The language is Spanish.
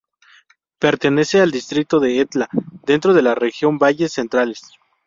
Pertenece al distrito de Etla, dentro de la región valles centrales.